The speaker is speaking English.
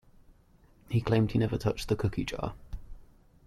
He claimed he never touched the cookie jar.